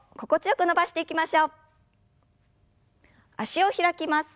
脚を開きます。